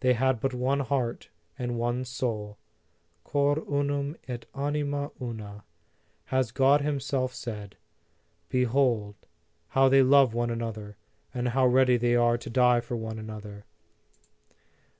They had but one heart and one soul: Cor unum et anima una, has God himself said. Behold how they love one another, and how ready they are to die for one another